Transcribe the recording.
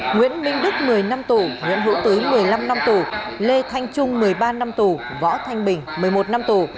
nguyễn minh đức một mươi năm tù nguyễn hữu tứ một mươi năm năm tù lê thanh trung một mươi ba năm tù võ thanh bình một mươi một năm tù